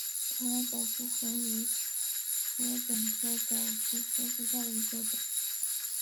台湾早熟禾为禾本科早熟禾属下的一个种。